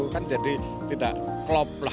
kan jadi tidak